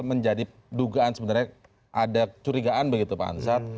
menjadi dugaan sebenarnya ada curigaan begitu pak anzat